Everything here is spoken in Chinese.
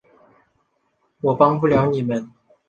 我帮不了你们